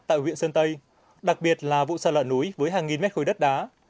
tại huyện sơn tây đặc biệt là vụ sạt lở núi với hàng nghìn mét khối đất đá